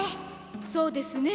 そうですね。